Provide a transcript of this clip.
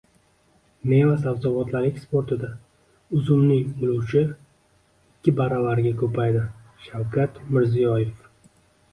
Meva-sabzavotlar eksportida uzumning ulushiikkibaravarga ko‘paydi – Shavkat Mirziyoyev